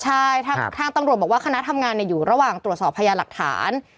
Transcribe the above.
ใช่ทางตำรวจบอกว่าคณะทำงานอยู่ระหว่างตรวจสอบพยาหลักฐาน